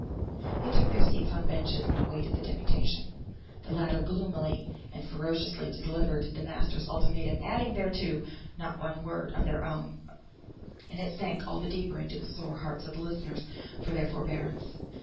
They took their seats on benches, and awaited the deputation. The latter, gloomily and ferociously, delivered the masters' ultimatum, adding thereunto not one word of their own; and it sank all the deeper into the sore hearts of the listeners for their forbearance.